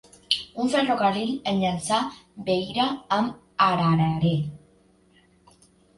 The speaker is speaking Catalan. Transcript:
Un ferrocarril enllaça Beira amb Harare.